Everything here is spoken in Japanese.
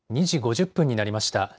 ２時５０分になりました。